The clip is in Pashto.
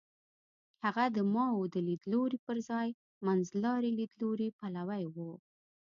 هغه د ماوو د لیدلوري پر ځای منځلاري لیدلوري پلوی و.